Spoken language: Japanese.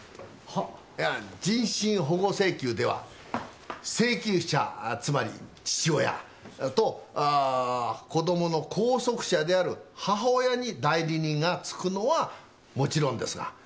いや人身保護請求では請求者つまり父親と子供の拘束者である母親に代理人がつくのはもちろんですが被拘束者